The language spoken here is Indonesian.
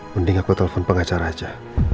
mending aku telpon pengacara aja